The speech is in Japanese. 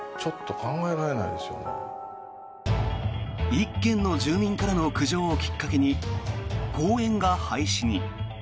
１軒の住民からの苦情をきっかけに公園が廃止に。